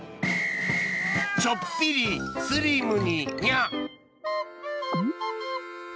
ちょっぴりスリムににゃ。